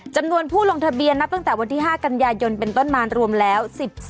จำนวนผู้ลงทะเบียนนับตั้งแต่วันที่๕กันยายนเป็นต้นมารวมแล้ว